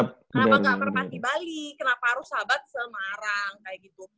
kenapa nggak perpas di bali kenapa harus sahabat semarang kayak gitu